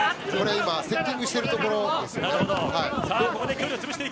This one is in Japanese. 今、セッティングしているところですね。